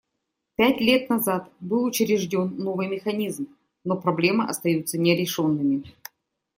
Пять лет назад был учрежден новый механизм, но проблемы остаются нерешенными.